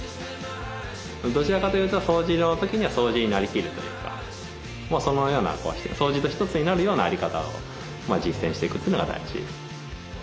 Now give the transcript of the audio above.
どちらかというと掃除の時には掃除になりきるというかそのような掃除と一つになるようなあり方を実践していくというのが大事。